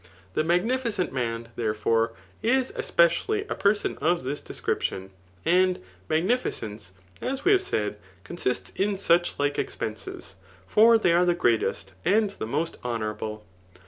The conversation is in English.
The magnificent man, there£Dre, is espe* mHj a person of this description ; and n»^;nificence^ as we have said, consists in such like expenses ; for ihey are the greatest, and the most honound>le.